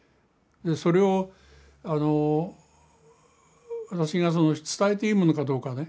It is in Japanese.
それを私がその伝えていいものかどうかね。